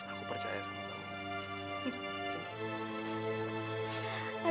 aku percaya sama kamu